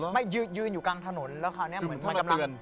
ไม่ยืนอยู่กลางถนนแล้วคราวนี้เหมือนท่านมาเตือน